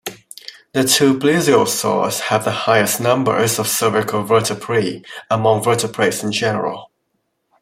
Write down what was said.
The two plesiosaurs have the highest numbers of cervical vertebrae among vertebrates in general.